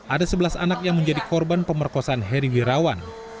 ada sebelas anak yang menjadi korban pemerkosaan heri wirawan